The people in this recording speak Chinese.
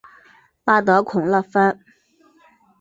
巴德孔勒潘。